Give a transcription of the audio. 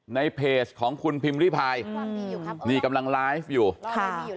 ในเพจของคุณพิมพ์ริพายนี่กำลังไลฟ์อยู่ค่ะ